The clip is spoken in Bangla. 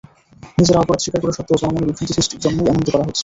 নিজেরা অপরাধ স্বীকার করা সত্ত্বেও জনমনে বিভ্রান্তি সৃষ্টির জন্যই এমনটি করা হচ্ছে।